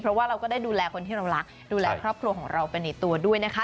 เพราะว่าเราก็ได้ดูแลคนที่เรารักดูแลครอบครัวของเราไปในตัวด้วยนะคะ